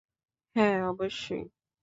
হ্যাঁ, অবশ্যই?